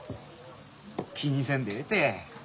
気にせんでええって。